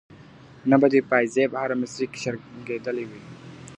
نه به دي پاېزېب هره مسرۍ کۍ شرنګېدلی وي .